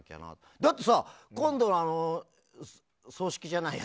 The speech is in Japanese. だってさ今度の葬式じゃないや。